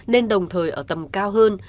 nên đồng thời ở tầm cao hơn